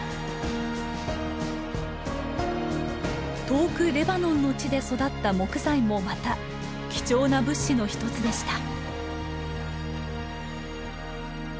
遠くレバノンの地で育った木材もまた貴重な物資の一つでした。